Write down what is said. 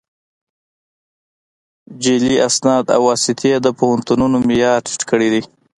جعلي اسناد او واسطې د پوهنتونونو معیار ټیټ کړی دی